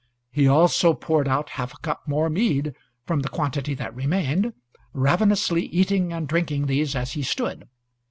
He also poured out half a cup more mead from the quantity that remained, ravenously eating and drinking these as he stood.